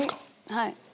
はい。